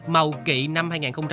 màu kỵ năm hai nghìn hai mươi hai